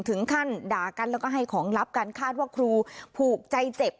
ถึงขั้นด่ากันแล้วก็ให้ของลับกันคาดว่าครูผูกใจเจ็บ